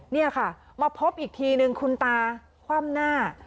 นี่ค่ะมาพบอีกทีนึงคุณตาคว่ำหน้า